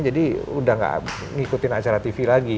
jadi udah nggak ngikutin acara tv lagi